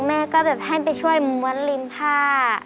แม่ก็แบบให้ไปช่วยม้วนริมผ้า